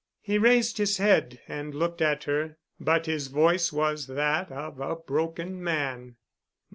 He raised his head and looked at her, but his voice was that of a broken man.